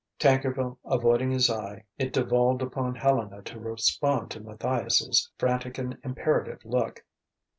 Tankerville avoiding his eye, it devolved upon Helena to respond to Matthias's frantic and imperative look.